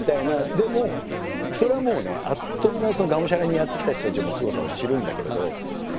でもそれはもうねあっという間にがむしゃらにやってきた人たちのすごさを知るんだけど。